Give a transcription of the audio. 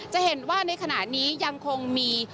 จะเห็นว่าในขณะนี้ยังคงมี